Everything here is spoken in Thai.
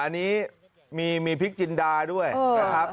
เหนมีพริกจินดาด้วยนะครับ